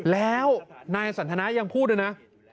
แล้วนายสันทนายังพูดด้วยนะ